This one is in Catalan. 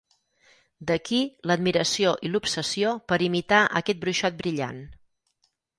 D'aquí l'admiració i l'obsessió per imitar aquest bruixot brillant.